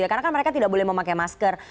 karena mereka tidak boleh memakai masker